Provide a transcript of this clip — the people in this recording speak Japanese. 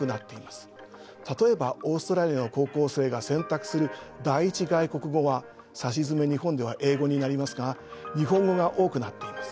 例えばオーストラリアの高校生が選択する第１外国語はさしずめ日本では英語になりますが日本語が多くなっています。